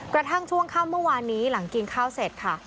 กระทั่งช่วงค่ำเมื่อวานนี้หลังกินข้าวเสร็จค่ะ